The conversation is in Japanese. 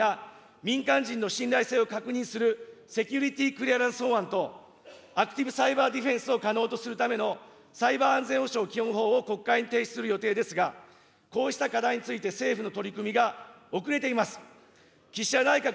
国民民主党は、重要な情報を扱う政府の職員や、民間人の信頼性を確認するセキュリティ・クリアランス法案とアクティブサイバーディフェンスを可能とするためのサイバー安全保障基本法を国会に提出する予定ですが、こうした課題について、政府の取り組みが遅れています。